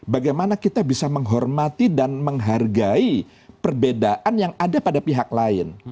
bagaimana kita bisa menghormati dan menghargai perbedaan yang ada pada pihak lain